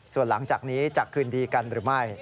ส่วนหลังจากนี้จะคืนดีกันหรือไม่